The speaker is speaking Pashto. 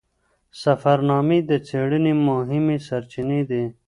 سفرنامې د څیړنې مهمې سرچینې دي.